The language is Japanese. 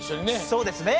そうですね。